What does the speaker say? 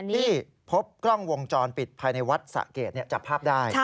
ที่พบกล้องวงจรปิดภายในวัดสะเกดจับภาพได้